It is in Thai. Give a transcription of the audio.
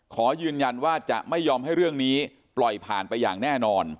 ขอยืนยันว่าจะไม่ยอมให้เรื่องนี้ปล่อยผ่านไปอย่างแน่นอน